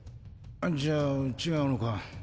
じゃあ違うのか。